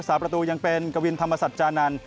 สาประตูยังเป็นกวินธรรมสัจจานันทร์